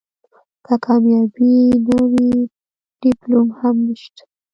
که کامیابي نه وي ډیپلوم هم نشته .